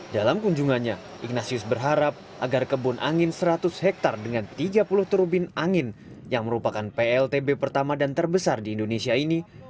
dalam kunjungannya ignatius berharap agar kebun angin seratus hektare dengan tiga puluh turbin angin yang merupakan pltb pertama dan terbesar di indonesia ini